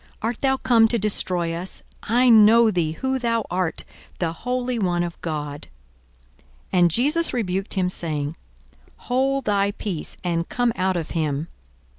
art thou come to destroy us? I know thee who thou art; the Holy One of God. 42:004:035 And Jesus rebuked him, saying, Hold thy peace, and come out of him.